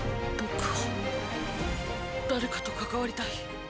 僕は誰かと関わりたい。